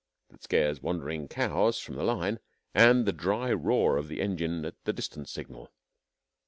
that scares wandering cows from the line, and the dry roar of the engine at the distance signal.